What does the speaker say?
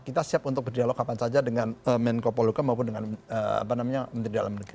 kita siap untuk berdialog kapan saja dengan menko poluka maupun dengan menteri dalam negeri